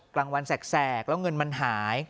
กลางวันแสกแล้วเงินมันหาย